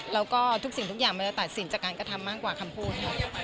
แล้วก็ทุกสิ่งทุกอย่างมันจะตัดสินจากการกระทำมากกว่าคำพูดค่ะ